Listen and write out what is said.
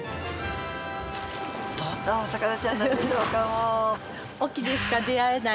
どんなお魚ちゃんなんでしょうか？